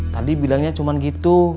tadi bilangnya cuma gitu